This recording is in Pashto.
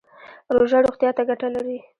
روژه روغتیا ته ګټه لري